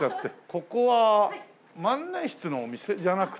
ここは万年筆のお店？じゃなくて。